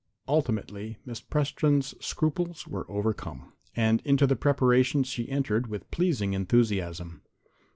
Ultimately Miss Preston's scruples were overcome. And into the preparations she entered with pleasing enthusiasm.